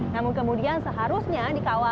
namun kemudian seharusnya dikawal